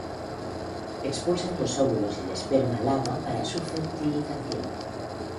Expulsa los óvulos y el esperma al agua para su fertilización.